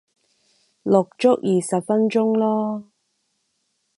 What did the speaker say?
錄足二十分鐘咯